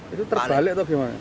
itu terbalik atau gimana